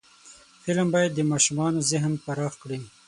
فلم باید د ماشومانو ذهن پراخ کړي